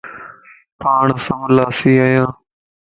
پاڻ سڀ لاسي ايان